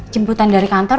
jemputan dari kantor